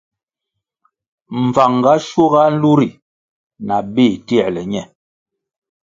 Mbvang ga schuga nlu ri na béh tierle ñe.